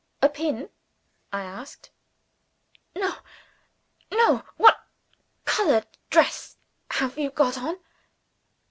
"A pin?" I asked. "No! no! What colored dress have you got on?"